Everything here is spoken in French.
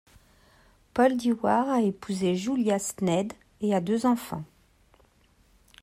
Paul Dewar a épousé Julia Sneyd et a deux enfants.